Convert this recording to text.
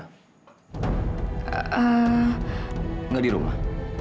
nggak di rumah